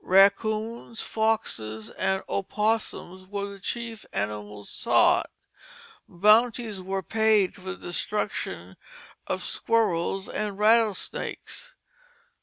Raccoons, foxes, and opossums were the chief animals sought. Bounties were paid for the destruction of squirrels and rattlesnakes.